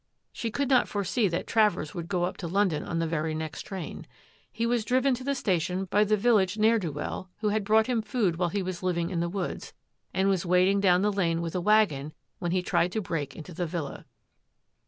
She could not foresee that Travers would go up to London on the very next train. He was driven to the station by the village ne'er do weel who had brought him food while he was living in the woods, and was waiting down the lane with a wagon when he tried to break into the Villa."